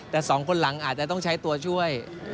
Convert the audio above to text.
แต่สองคนหลังอาจจะต้องใช้ตัวช่วย